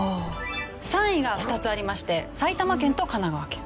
３位が２つありまして埼玉県と神奈川県。